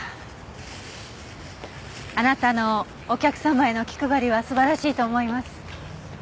あなたのお客様への気配りは素晴らしいと思います。